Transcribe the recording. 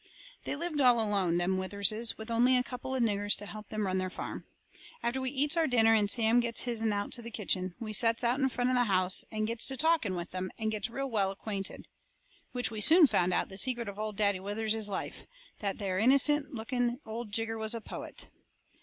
They lived all alone, them Witherses, with only a couple of niggers to help them run their farm. After we eats our dinner and Sam gets his'n out to the kitchen, we sets out in front of the house and gets to talking with them, and gets real well acquainted. Which we soon found out the secret of old Daddy Withers's life that there innocent looking old jigger was a poet.